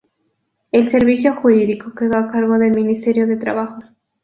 El servicio jurídico quedó a cargo del ministerio de Trabajo.